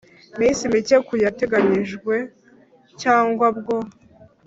minsi mike ku yateganyijwe cyangwa bwo